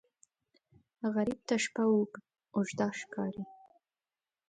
غریب ته شپه اوږده ښکاري